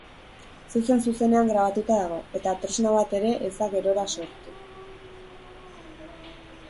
Zuzen-zuzenean grabatuta dago, eta tresna bat ere ez da gerora sartu.